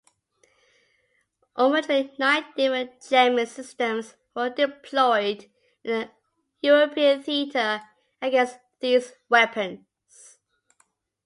Ultimately nine different jamming systems were deployed in the European theater against these weapons.